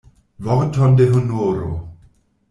Vorton de honoro!